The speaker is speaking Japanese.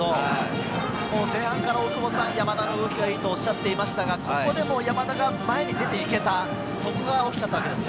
前半から山田の動きがいいとおっしゃっていましたが、ここでも山田が前に出ていけた、そこが大きかったわけですね。